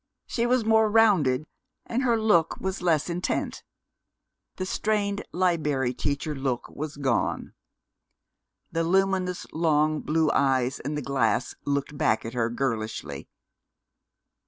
She was more rounded, and her look was less intent. The strained Liberry Teacher look was gone. The luminous long blue eyes in the glass looked back at her girlishly.